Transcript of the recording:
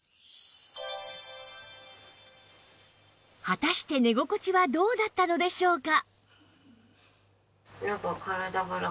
果たして寝心地はどうだったのでしょうか？